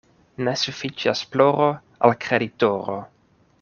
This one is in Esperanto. Ne sufiĉas ploro al kreditoro.